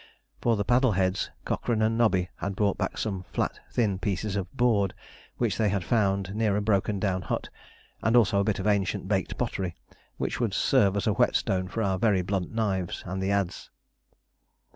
For the paddle heads Cochrane and Nobby had brought back some flat thin pieces of board which they had found near a broken down hut; and also a bit of ancient baked pottery which would serve as a whetstone for our very blunt knives and the adze.